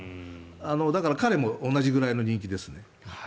だから、彼も同じくらいの人気ですね。